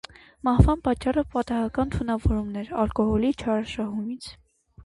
Մահվան պատճառը պատահական թունավորումն էր՝ ալկոհոլի չարաշահումից։